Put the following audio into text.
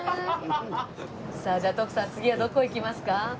さあじゃあ徳さん次はどこ行きますか？